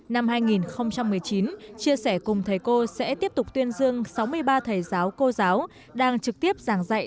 năm hai nghìn một mươi chín chia sẻ cùng thầy cô sẽ tiếp tục tuyên dương sáu mươi ba thầy giáo cô giáo đang trực tiếp giảng dạy